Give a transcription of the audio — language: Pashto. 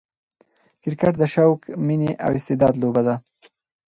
کرکټ د شوق، میني او استعداد لوبه ده.